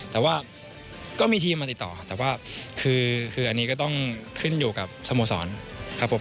แต่ว่าก็มีทีมมาติดต่อแต่ว่าคืออันนี้ก็ต้องขึ้นอยู่กับสโมสรครับผม